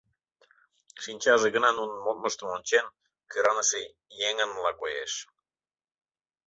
Шинчаже гына, нунын модмыштым ончен, кӧраныше еҥынла коеш.